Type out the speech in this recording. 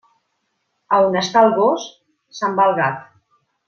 A on està el gos, se'n va el gat.